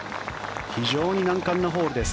非常に難関なホールです。